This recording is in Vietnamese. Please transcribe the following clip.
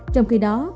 trong khi đó